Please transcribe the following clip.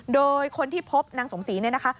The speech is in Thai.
โดยคนที่พบนางสมศรีเนี่ยนะคะ